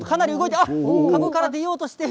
あっ、籠から出ようとしている。